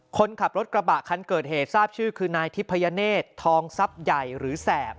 คนขับรถกระบะคันเกิดเหตุทราบชื่อคือนายทิพยเนธทองทรัพย์ใหญ่หรือแสบ